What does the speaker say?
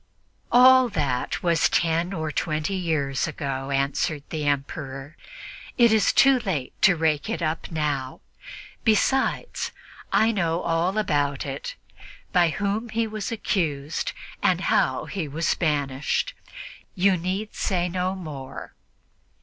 "All that was ten or twenty years ago," answered the Emperor; "it is too late to rake it up again now. Besides, I know all about it by whom he was accused and how he was banished. You need say no more."